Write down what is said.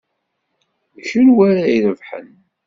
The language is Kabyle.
D kunwi ara irebḥen?